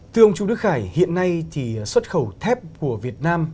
tư ông trung đức khải hiện nay thì xuất khẩu thép của việt nam